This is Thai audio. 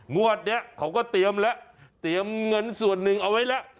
งวดเนี่ยเขาก็เตรียมเงินส่วนหนึ่งเอาไว้ละ